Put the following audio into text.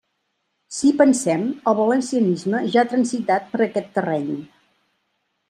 Si hi pensem, el valencianisme ja ha transitat per aquest terreny.